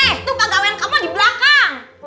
eh tuh pagawain kamu di belakang